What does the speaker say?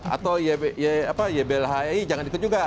atau yblhi jangan ikut juga